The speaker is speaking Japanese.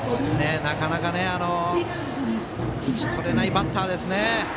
なかなか打ち取れないバッターですね。